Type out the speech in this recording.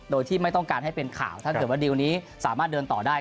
โดยที่ไม่ต้องการให้เป็นข่าวถ้าเกิดว่าดิวนี้สามารถเดินต่อได้